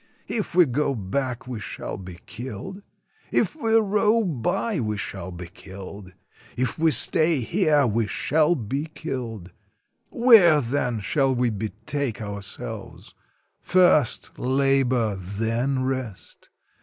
If we go back, we shall be killed! If we row by, we shall be killed ! If we stay here, we shall be killed! Where, then, shall we betake ourselves? First labor, then rest!